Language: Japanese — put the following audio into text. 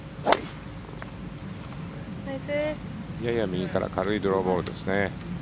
やや右から軽いドローボールですね。